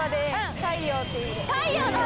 太陽の橋！